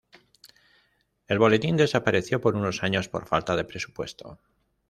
El Boletín desapareció por unos años por falta de presupuesto.